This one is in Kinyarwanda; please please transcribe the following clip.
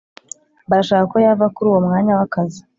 barashaka ko yava kuri uwo mwanya w’akazi,